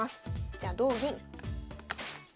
じゃ同銀。